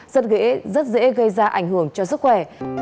rất dễ gây ra ảnh hưởng cho sức khỏe